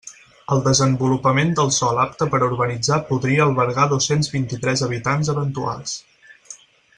El desenvolupament del sòl apte per a urbanitzar podria albergar dos-cents vint-i-tres habitants eventuals.